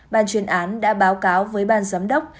ban chuyên án đã báo cáo với ban giám đốc